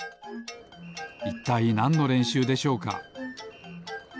いったいなんのれんしゅうでしょうか？